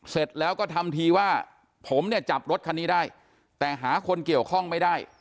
เสร็จแล้วก็ทำทีว่าผมเนี่ยจับรถคันนี้ได้แต่หาคนเกี่ยวข้องไม่ได้